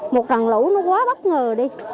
một cằn lũ nó quá bất ngờ đi